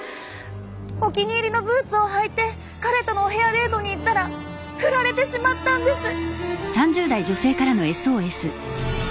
お気に入りのブーツを履いて彼とのお部屋デートに行ったらふられてしまったんです。